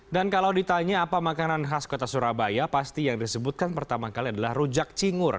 dan kalau ditanya apa makanan khas kota surabaya pasti yang disebutkan pertama kali adalah rujak cingur